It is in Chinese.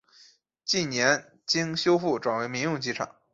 近年经修复转为民用机场。